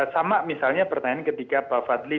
sama misalnya pertanyaan ketika pak fadli